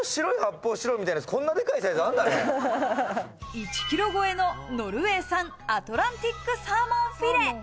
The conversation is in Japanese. １キロ超えのノルウェー産、アトランティックサーモンフィレ。